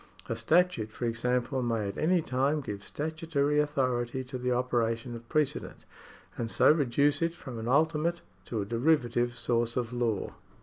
A statute for example may at any time give statutory authority to the operation of precedent,^ and so reduce it from an ultimate to a derivative source of law.